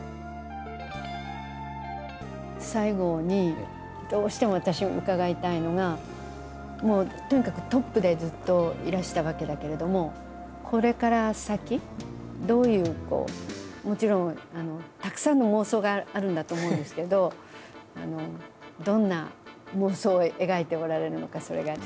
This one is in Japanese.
最後にどうしても私伺いたいのがもうとにかくトップでずっといらしたわけだけれどもこれから先どういうこうもちろんたくさんの妄想があるんだと思うんですけどどんな妄想を描いておられるのかそれがちょっと伺えたらなと。